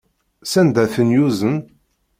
Sanda ay ten-yuzen?